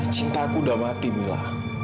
cinta aku udah mati mila